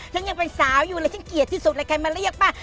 ฉันยังเป็นสาวอยู่เลยฉันเกลียดที่สุดเลยใครมาเรียกป้า